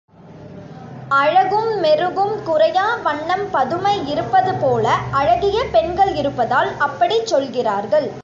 அழகும் மெருகும் குறையா வண்ணம் பதுமை இருப்பது போல, அழகிய பெண்கள் இருப்பதால் அப்படிச் சொல்கிறார்கள்.